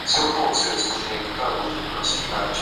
Ese año se confirmaron todos los privilegios de Haro.